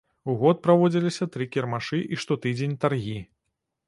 У год праводзілася тры кірмашы і штотыдзень таргі.